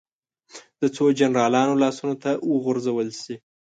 د څو جنرالانو لاسونو ته وغورځول شي.